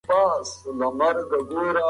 د خوړو مسمومیت په لومړیو ساعتونو کې څرګندیږي.